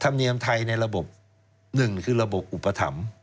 ธรรมเนียมไทยในระบบหนึ่งคือระบบอุปถัมภ์